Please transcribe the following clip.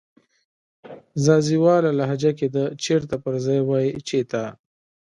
ځاځيواله لهجه کې د "چیرته" پر ځای وایې "چیته"